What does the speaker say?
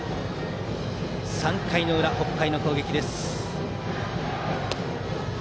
３回の裏、北海の攻撃です。